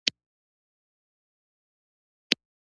عملاً د طالبانو په ډله کې نه دي.